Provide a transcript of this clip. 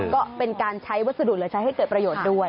ก็เป็นการใช้วัสดุเหลือใช้ให้เกิดประโยชน์ด้วย